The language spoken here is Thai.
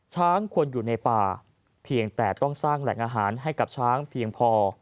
ช้างควรอยู่ในป่าเพียงแต่ต้องสร้างแหล่งอาหารให้กับช้างเพียงพอ